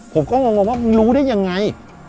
ผมก็งงว่ามึงรู้ได้ยังไง